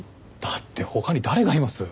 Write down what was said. だって他に誰がいます？